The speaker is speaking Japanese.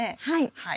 はい。